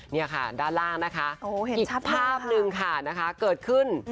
นี่ค่ะด้านล่างนะคะอีกภาพหนึ่งค่ะนะคะเกิดขึ้น